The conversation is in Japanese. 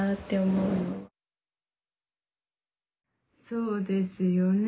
そうですよね。